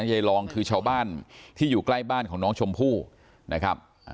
ยายรองคือชาวบ้านที่อยู่ใกล้บ้านของน้องชมพู่นะครับ